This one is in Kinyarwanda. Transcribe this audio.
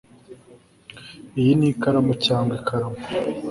Iyi ni ikaramu cyangwa ikaramu